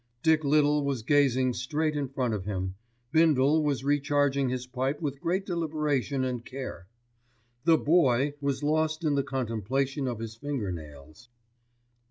Dick Little was gazing straight in front of him, Bindle was recharging his pipe with great deliberation and care. The Boy was lost in the contemplation of his finger nails.